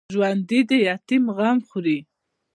ژوندي د یتیم غم خوري